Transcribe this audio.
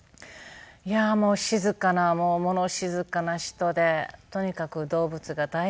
いやあもう静かな物静かな人でとにかく動物が大好きで。